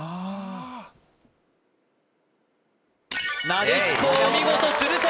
なでしこお見事鶴崎